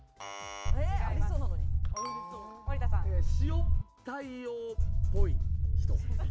塩対応っぽい人。